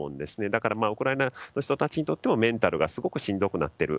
だからウクライナの人たちにとってもメンタルがすごくしんどくなっている。